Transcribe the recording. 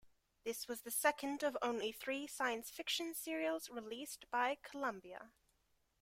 This was the second of only three science fiction serials released by Columbia.